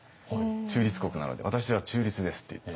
中立国なので私は中立ですって言って。